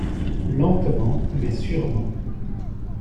Lentement mais sûrement